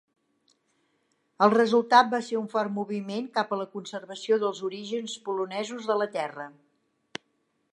El resultat va ser un fort moviment cap a la conservació dels orígens polonesos de la terra.